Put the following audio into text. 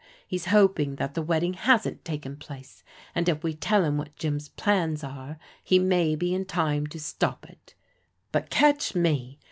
He's hoping that the wedding hasn't taken place, and if we tell him what Jim's plans are, he may be in time to stop it. But, catch me